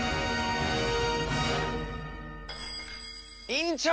院長！